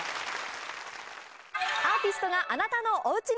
アーティストがあなたのおうちに。